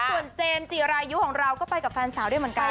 ส่วนเจมส์จีรายุของเราก็ไปกับแฟนสาวด้วยเหมือนกัน